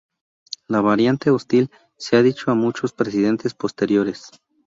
La variante hostil se ha dicho a muchos presidentes posteriores.